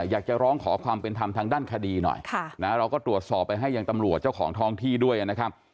อยากจะร้องขอความเป็นธรรมทางด้านคดีหน่อยเราก็ตรวจสอบไปให้ยังตำรวจเจ้าของท้องที่ด้วยนะครับ